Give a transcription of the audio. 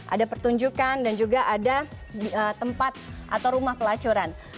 ada pertunjukan dan juga ada tempat atau rumah pelacuran